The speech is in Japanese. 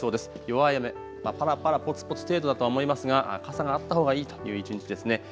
弱い雨、ぱらぱら、ぽつぽつ程度だと思いますが傘があったほうがいいという一日ですね。